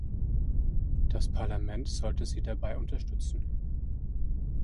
Das Parlament sollte Sie dabei unterstützen.